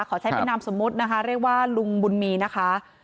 ขอใช้เป็นนามสมมุตินะคะเรียกว่าลุงบุญมีนะคะ